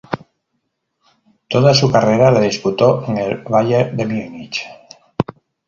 Toda su carrera la disputó en el Bayern de Múnich.